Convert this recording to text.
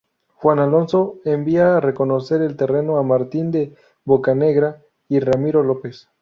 Juan Alonso envió a reconocer el terreno a Martín de Bocanegra y Ramiro López.